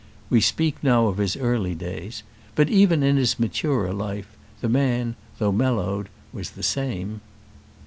We speak now of his early days; but even in his maturer life, the man, though mellowed, was the same.